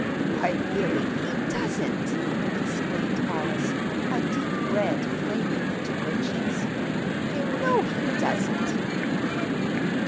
"Why, Billy, he doesn't!" exclaimed Alice, a deep red flaming into her cheeks. "You know he doesn't."